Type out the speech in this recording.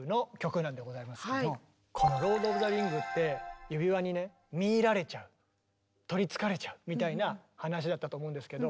この「ロード・オブ・ザ・リング」って指輪にねみいられちゃう取りつかれちゃうみたいな話だったと思うんですけど。